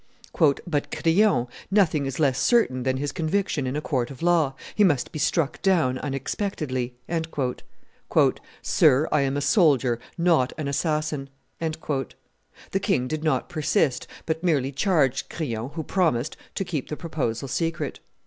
"But, Crillon, nothing is less certain than his conviction in a court of law; he must be struck down unexpectedly." "Sir, I am a soldier, not an assassin." The king did not persist, but merely charged Crillon, who promised, to keep the proposal secret.